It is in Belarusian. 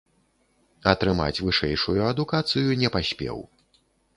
Атрымаць вышэйшую адукацыю не паспеў.